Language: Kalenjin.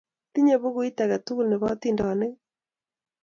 Itinye pukuit ake tukul nepo atindyonik ii?